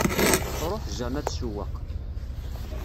Truḥ Jane ad tsewweq.